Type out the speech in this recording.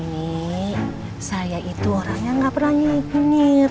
nih saya itu orang yang gak pernah nyikir